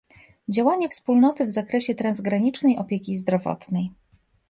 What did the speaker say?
Działanie Wspólnoty w zakresie transgranicznej opieki zdrowotnej